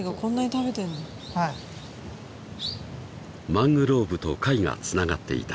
［マングローブと貝がつながっていた］